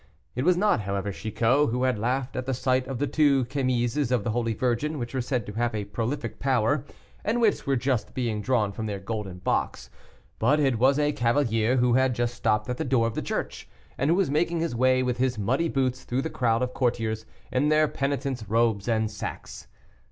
It was not, however, Chicot who had laughed at the sight of the two chemises of the Holy Virgin which were said to have such a prolific power, and which were just being drawn from their golden box; but it was a cavalier who had just stopped at the door of the church, and who was making his way with his muddy boots through the crowd of courtiers in their penitents' robes and sacks.